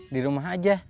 di rumah aja